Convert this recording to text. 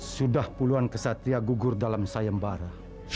sudah puluhan kesatria gugur dalam sayembara